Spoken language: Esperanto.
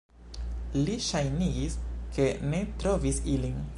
Li ŝajnigis, ke ne trovis ilin.